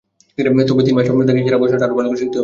তবে তিন মাস তোকে ইশারা ভাষাটা আরও ভালো করে শিখতে হবে।